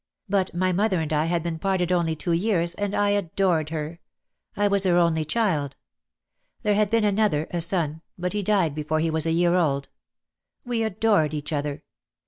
But my mother and I had been parted only two years, and I adored her. I was her only child. There had been another, a son, but he died before he was a year old. We adored each other.